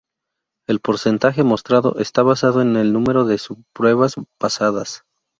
El porcentaje mostrado está basado en el número de sub-pruebas pasadas.